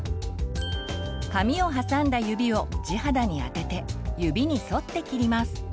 髪を挟んだ指を地肌にあてて指に沿って切ります。